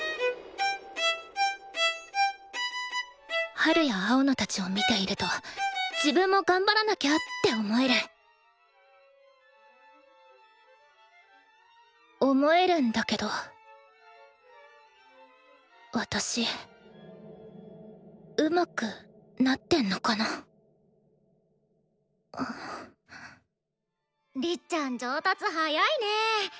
ハルや青野たちを見ていると自分も頑張らなきゃって思える思えるんだけど私うまくなってんのかなりっちゃん上達早いね。